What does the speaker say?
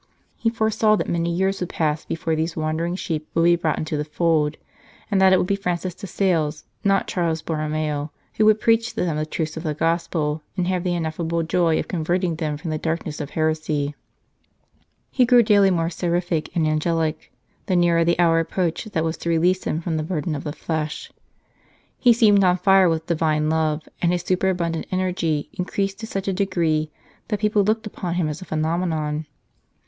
He foresaw that many years would pass before these wandering sheep would 221 St. Charles Borromeo be brought into the fold, and that it would be Francis de Sales, not Charles Borromeo, who would preach to them the truths of the Gospel, and have the ineffable joy of converting them from the darkness of heresy. He grew daily more seraphic and angelic the nearer the hour approached that was to release him from the burden of the flesh. He seemed on fire with Divine love, and his superabundant energy increased to such a degree that people looked upon him as a phenomenon.